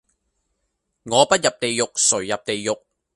我不入地獄,誰入地獄